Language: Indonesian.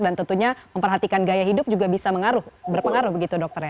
dan tentunya memperhatikan gaya hidup juga bisa berpengaruh begitu dokter ya